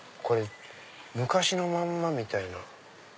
昔のまんまみたいな。